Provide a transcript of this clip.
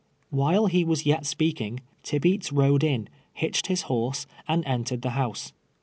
AVhile he was yet speaking, Tibeats rode in, hitched his horse, and entered the house.